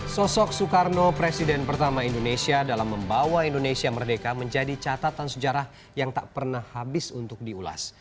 sosok soekarno presiden pertama indonesia dalam membawa indonesia merdeka menjadi catatan sejarah yang tak pernah habis untuk diulas